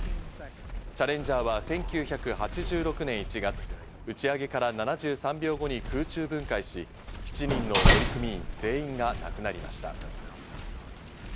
チャレンジャーは１９８６年１月、打ち上げから７３秒後に空中分解し、７人の乗組員全員が亡くなりました。